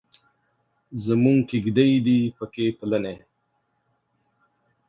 زموږ کیږدۍ دې پکې پلنې.